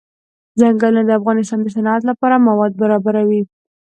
ځنګلونه د افغانستان د صنعت لپاره مواد برابروي.